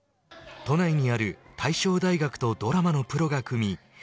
都内にある大正大学とドラマのプロが組み